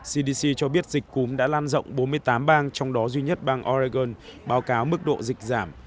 cdc cho biết dịch cúm đã lan rộng bốn mươi tám bang trong đó duy nhất bang oregon báo cáo mức độ dịch giảm